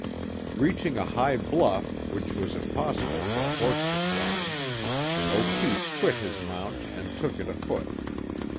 Reaching a high bluff, which was impossible for a horse to climb, O'Keefe quit his mount and took it afoot.